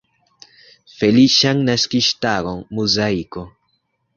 Feliĉan naskiĝtagon Muzaiko!